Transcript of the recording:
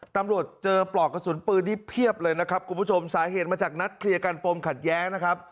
ตำรวจเจอปลอกกระสุนปืนที่เพียบเลยนะครับคุณผู้ชมสาเหตุมาจากนัดเคลียร์กันปมขัดแย้งนะครับ